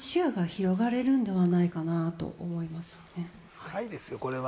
深いですよ、これは。